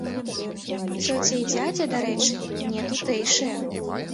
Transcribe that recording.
Цёця і дзядзя, дарэчы, не тутэйшыя.